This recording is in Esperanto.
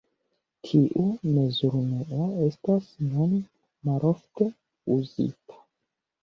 Tiu mezurunuo estas nun malofte uzita.